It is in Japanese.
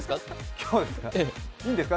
今日ですか？